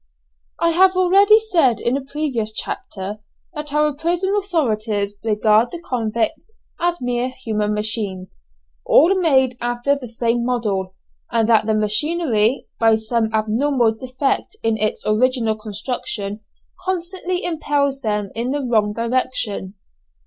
I have already said in a previous chapter that our prison authorities regard the convicts as mere human machines, all made after the same model, and that the machinery, by some abnormal defect in its original construction constantly impels them in the wrong direction.